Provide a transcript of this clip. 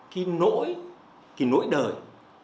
cái nỗi đời